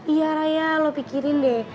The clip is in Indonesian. iya raya lo pikirin deh